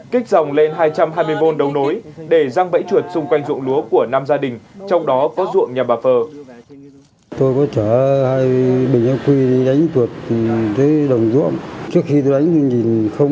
kích dòng lên hai trăm hai mươi v đầu nối để răng bẫy chuột xung quanh ruộng lúa của năm gia đình